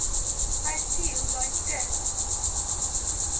I feel like death!